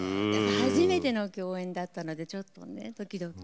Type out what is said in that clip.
初めての共演だったのでちょっとねドキドキ。